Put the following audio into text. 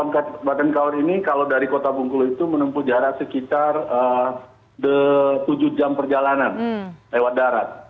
kabupaten kaur ini kalau dari kota bungkulu itu menempuh jarak sekitar tujuh jam perjalanan lewat darat